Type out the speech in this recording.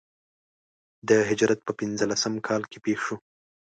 د هجرت په پنځه لسم کال کې پېښ شو.